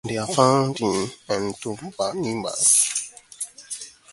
They are also found in "Entamoeba".